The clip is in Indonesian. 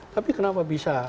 tapi kenapa bisa